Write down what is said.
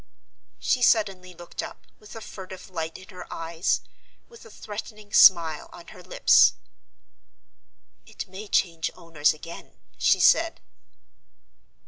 She suddenly looked up, with a furtive light in her eyes, with a threatening smile on her lips. "It may change owners again," she said.